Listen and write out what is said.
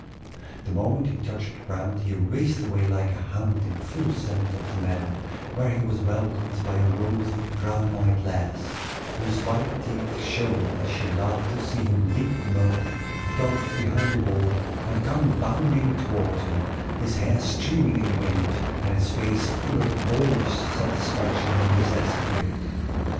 The moment he touched ground, he raced away like a hound in full scent to the meadow, where he was welcomed by a rosy, brown eyed lass, whose white teeth shone as she laughed to see him leap the moat, dodge behind the wall, and come bounding toward her, his hair streaming in the wind, and his face full of boyish satisfaction in this escapade.